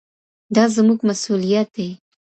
دا زموږ مسووليت دی.